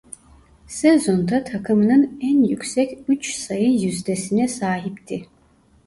Sezonda takımının en yüksek üç sayı yüzdesine sahipti.